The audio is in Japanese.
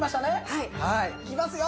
はいいきますよ。